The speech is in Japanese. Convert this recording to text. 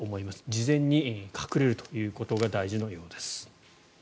事前に隠れるということが大事なようです。